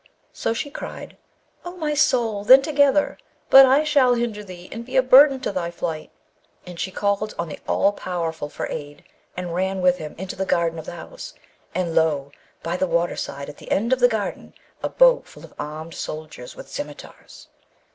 So she cried, 'O my soul, then together! but I shall hinder thee, and be a burden to thy flight.' And she called on the All powerful for aid, and ran with him into the garden of the house, and lo! by the water side at the end of the garden a boat full of armed soldiers with scimitars.